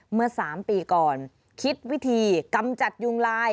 เมื่อ๓ปีก่อนคิดวิธีกำจัดยุงลาย